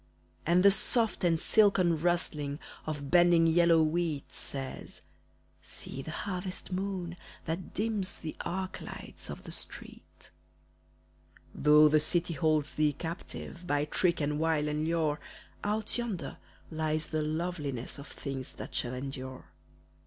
And the soft and silken rustling Of bending yellow wheat Says, "See the harvest moon that dims The arc lights of the street." Though the city holds thee captive By trick, and wile, and lure, Out yonder lies the loveliness Of things that shall endure.